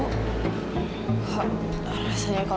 rasanya kalau jalan pusing bener bener